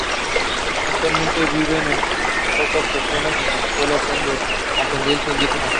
Actualmente viven pocas personas, las cuales son de ascendencia indígena.